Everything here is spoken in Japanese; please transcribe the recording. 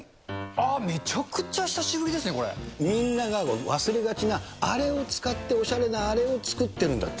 ああ、めちゃくちゃ久しぶりみんなが忘れがちな、あれを使っておしゃれなあれを作ってるんだって。